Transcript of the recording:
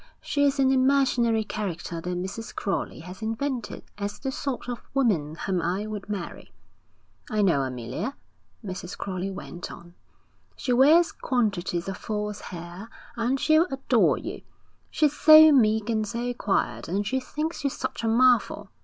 She is an imaginary character that Mrs. Crowley has invented as the sort of woman whom I would marry.' 'I know Amelia,' Mrs. Crowley went on. 'She wears quantities of false hair, and she'll adore you. She's so meek and so quiet, and she thinks you such a marvel.